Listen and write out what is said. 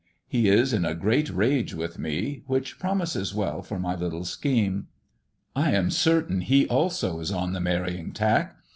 He is in a great rage with me, which promises well for my little scheme. I am certain he also is on the marrying tack.